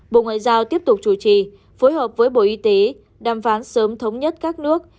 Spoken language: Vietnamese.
bộ ngoại giao tiếp tục chủ trì phối hợp với bộ y tế đàm phán sớm thống nhất các nước